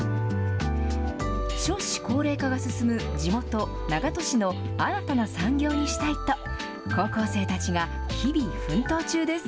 少子高齢化が進む地元、長門市の新たな産業にしたいと、高校生たちが日々奮闘中です。